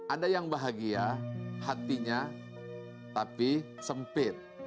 ada yang bahagia hatinya tapi sempit